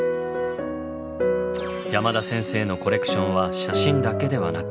山田先生のコレクションは写真だけではなく。